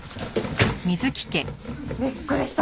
びっくりした！